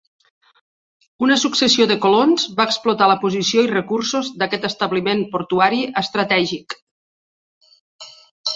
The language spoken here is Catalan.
Una successió de colons va explotar la posició i recursos d'aquest establiment portuari estratègic.